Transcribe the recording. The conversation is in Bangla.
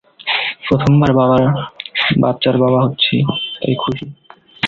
প্রথমবার বাচ্চার বাবা হচ্ছি, তাই খুশী।